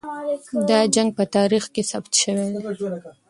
دا جنګ په تاریخ کې ثبت سوی دی.